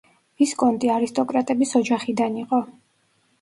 ვისკონტი არისტოკრატების ოჯახიდან იყო.